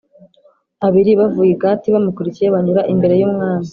abari bavuye i Gati bamukurikiye, banyura imbere y’umwami.